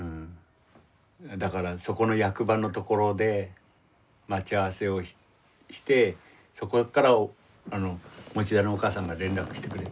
だからそこの役場の所で待ち合わせをしてそこから田のお母さんが連絡してくれてさ。